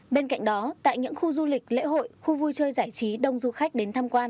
bên cạnh đó tại những khu du lịch lễ hội khu vui chơi giải trí đông du khách đến tham quan